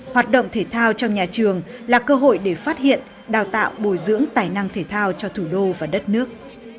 hoạt động thể thao trong nhà trường là cơ hội để phát hiện đào tạo bồi dưỡng tài năng thể thao cho thủ đô và đất nước